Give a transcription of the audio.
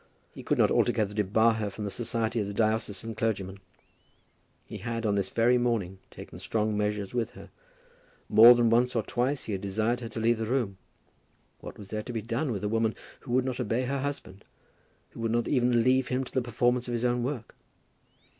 He could not altogether debar her from the society of the diocesan clergymen. He had, on this very morning, taken strong measures with her. More than once or twice he had desired her to leave the room. What was there to be done with a woman who would not obey her husband, who would not even leave him to the performance of his own work?